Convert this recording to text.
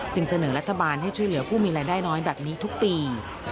เสนอรัฐบาลให้ช่วยเหลือผู้มีรายได้น้อยแบบนี้ทุกปี